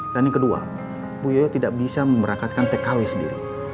dan yang kedua bu yoyo tidak bisa memerangkatkan tkw sendiri